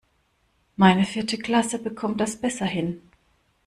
Meine vierte Klasse bekommt das besser hin.